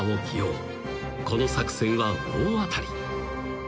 ［この作戦は大当たり］